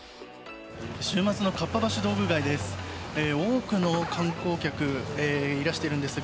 週末のかっぱ橋道具街です。